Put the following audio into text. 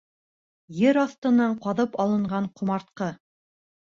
Ер аҫтынан ҡаҙып алынған ҡомартҡы!